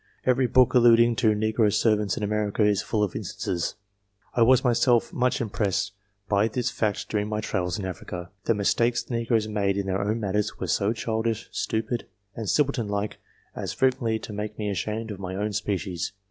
Every book alluding to negro servants in America is full of instances. I was myself much impressed by this fact during my travels in Africa. The mistakes the negroes made in their own matters were so childish, stupid, and simpleton like, as frequently to make me ashamed of my own species.